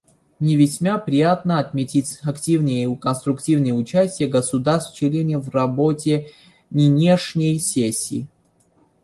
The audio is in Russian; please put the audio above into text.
Мне весьма приятно отметить активное и конструктивное участие государств-членов в работе нынешней сессии.